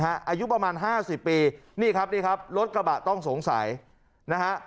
อายุประมาณ๕๐ปีนี่ครับนี่ครับรถกระบะต้องสงสัยนะฮะ